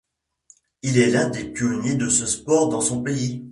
Il est l'un des pionniers de ce sport dans son pays.